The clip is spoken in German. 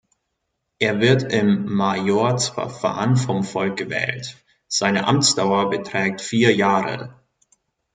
Er wird im Majorzverfahren vom Volk gewählt, seine Amtsdauer beträgt vier Jahre.